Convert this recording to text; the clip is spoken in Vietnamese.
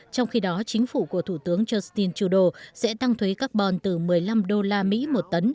trong khi đó chính phủ của thủ tướng justin trudeau sẽ tăng thuế carbon từ một mươi năm đô la mỹ một tấn